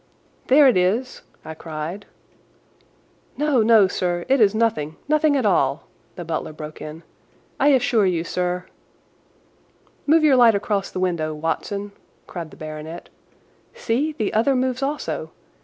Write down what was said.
"There it is!" I cried. "No, no, sir, it is nothing—nothing at all!" the butler broke in; "I assure you, sir—" "Move your light across the window, Watson!" cried the baronet. "See, the other moves also!